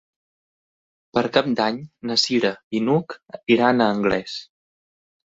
Per Cap d'Any na Cira i n'Hug iran a Anglès.